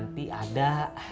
foto teee kirani ada